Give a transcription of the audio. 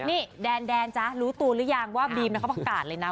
นี่แดนจ๊ะรู้ตัวหรือยังว่าบีมเขาประกาศเลยนะ